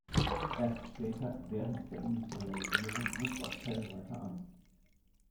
Erst später während der Industrialisierung wuchs auch Zell weiter an.